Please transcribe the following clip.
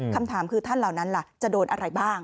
คำถามคือท่านเหล่านั้นล่ะจะโดนอะไรบ้าง